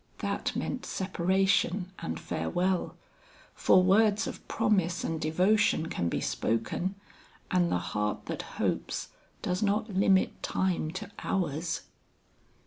That meant separation and farewell; for words of promise and devotion can be spoken, and the heart that hopes, does not limit time to hours.